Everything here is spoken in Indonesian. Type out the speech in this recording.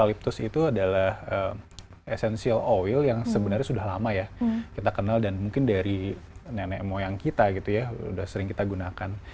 elyptus itu adalah essential oil yang sebenarnya sudah lama ya kita kenal dan mungkin dari nenek moyang kita gitu ya sudah sering kita gunakan